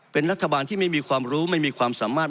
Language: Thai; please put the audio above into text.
เป็นรัฐบาลที่ไม่มีความรู้ไม่มีความสามารถ